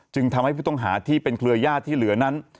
ทำให้ผู้ต้องหาที่เป็นเครือญาติที่เหลือนั้น